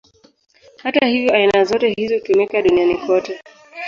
Hata hivyo, aina zote hizi hutumika duniani kote.